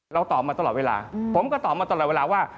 เราตอบมาตลอดเวลาผมก็ตอบมาตลอดเวลาว่า